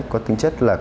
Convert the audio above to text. có tính chất là